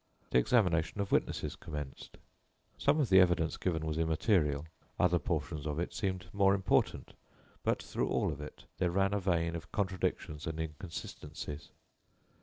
The examination of witnesses commenced. Some of the evidence given was immaterial; other portions of it seemed more important, but through all of it there ran a vein of contradictions and inconsistencies.